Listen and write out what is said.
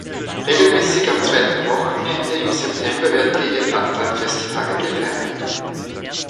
Regelmäßig am zweiten Wochenende im September werden die Hephata-Festtage gefeiert.